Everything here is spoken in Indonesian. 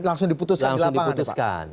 langsung diputuskan di lapangan